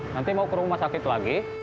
nanti mau ke rumah sakit lagi